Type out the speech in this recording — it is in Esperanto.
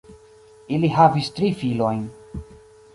Ili havis tri filojn.